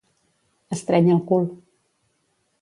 Estrènyer el cul